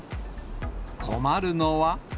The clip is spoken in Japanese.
困るのは。